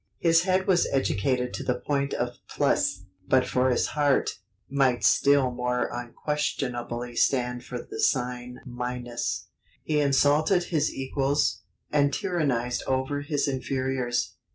His head was educated to the point of plus, but for his heart, might still more unquestionably stand the sign minus. He insulted his equals ... and tyrannized over his inferiors.